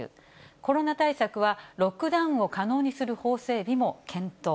コロナ対策はロックダウンを可能にする法整備も検討。